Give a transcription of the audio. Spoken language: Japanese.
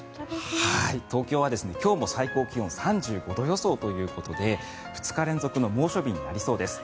東京は今日も最高気温３５度予想ということで２日連続の猛暑日になりそうです。